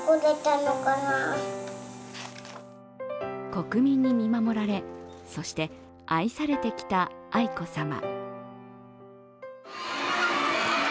国民に見守られ、そして、愛されてきた愛子さま。